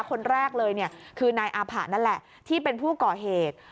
คนแรกเลยเนี่ยคือนายอาผะนั่นแหละที่เป็นผู้ก่อเหตุ